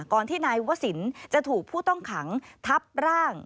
ที่นายวศิลป์จะถูกผู้ต้องขังทับร่าง